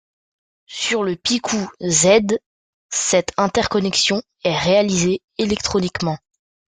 Sur le Picoo Z, cette interconnexion est réalisée électroniquement.